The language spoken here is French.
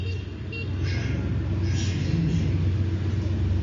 J’aime, je suis aimée.